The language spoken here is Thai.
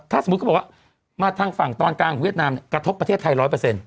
ถ้าสมมุติเขาบอกว่ามาทางฝั่งตอนกลางของเวียดนามกระทบประเทศไทย๑๐๐